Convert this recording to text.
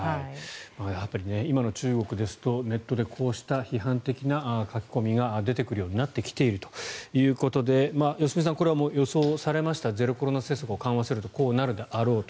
やっぱり今の中国ですとネットでこうした批判的な書き込みが出てくるようになってきているということで良純さん、これは予想されましたゼロコロナ政策を緩和するとこうなるであろうと。